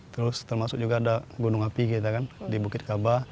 terus termasuk juga ada gunung api di bukit kaba